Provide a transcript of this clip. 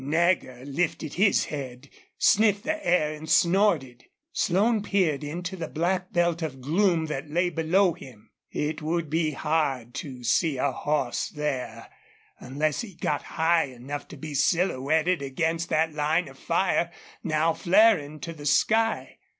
Nagger lifted his head, sniffed the air, and snorted. Slone peered into the black belt of gloom that lay below him. It would be hard to see a horse there, unless he got high enough to be silhouetted against that line of fire now flaring to the sky.